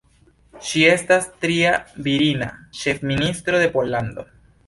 Ŝi estas tria virina ĉefministro de Pollando.